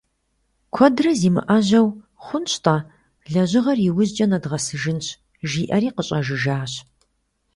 Куэдрэ зимыӏэжьэу «хъунщ-тӏэ, лэжьыгъэр иужькӏэ нэдгъэсыжынщ»,— жиӏэри къыщӏэжыжащ.